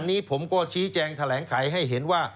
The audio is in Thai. อันนี้ผมก็ชี้แจงแถลงไขให้เห็นว่า